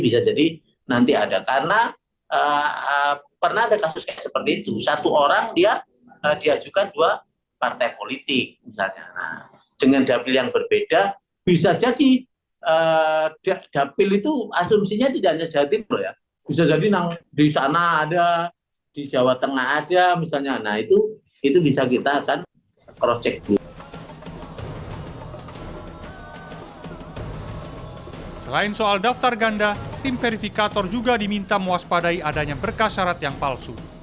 selain soal daftar ganda tim verifikator juga diminta mewaspadai adanya berkas syarat yang palsu